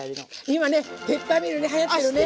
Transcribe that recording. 今ねペッパーミルねはやってるね。